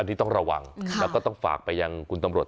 อันนี้ต้องระวังแล้วก็ต้องฝากไปยังคุณตำรวจ